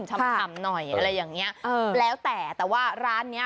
ชำหน่อยอะไรอย่างเนี้ย